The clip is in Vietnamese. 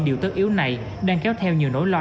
điều tất yếu này đang kéo theo nhiều nỗi lo